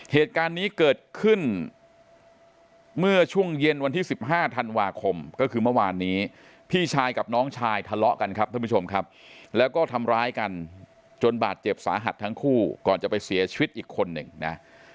เหตุการณ์นี้เกิดขึ้นเมื่อช่วงเย็นวันที่๑๕ธันวาคมก็คือเมื่อวานนี้พี่ชายกับน้องชายทะเลาะกันครับท่านผู้ชมครับแล้วก็ทำร้ายกันจนบาดเจ็บสาหัสทั้งคู่ก่อนจะไปเสียชีวิตอีกคนหนึ่งนะ